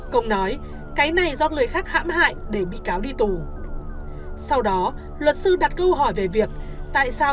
công nói cái này do người khác hãm hại để bị cáo đi tù sau đó luật sư đặt câu hỏi về việc tại sao